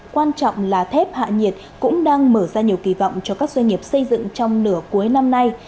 quan trọng là thép hạ nhiệt cũng đang mở ra nhiều kỳ vọng cho các doanh nghiệp xây dựng trong nửa cuối năm nay